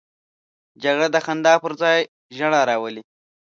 جګړه د خندا پر ځای ژړا راولي